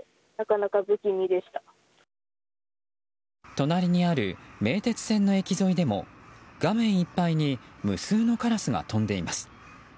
隣にある名鉄線の駅沿いでも画面いっぱいに無数のカラスが飛んでいます。